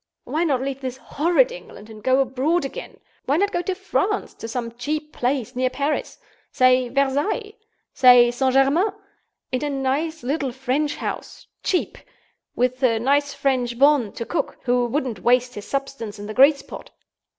Why not leave this horrid England and go abroad again? Why not go to France, to some cheap place near Paris? Say Versailles? say St. Germain? In a nice little French house—cheap? With a nice French bonne to cook—who wouldn't waste his substance in the grease pot?